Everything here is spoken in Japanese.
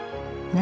何？